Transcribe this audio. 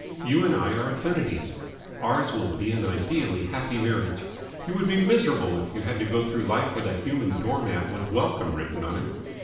You and I are affinities. Ours will be an ideally happy marriage. You would be miserable if you had to go through life with a human doormat with 'Welcome' written on him.